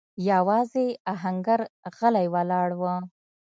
يواځې آهنګر غلی ولاړ و.